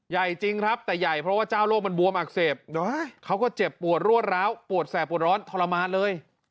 ใหญ่จริงครับแต่ใหญ่เพราะว่าเจ้าโรคมันบวมอักเสบเขาก็เจ็บปวดรวดร้าวปวดแสบปวดร้อนทรมานเลย